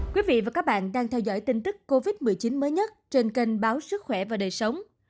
quý vị và các bạn đang theo dõi tin tức covid một mươi chín mới nhất trên kênh báo sức khỏe và đời sống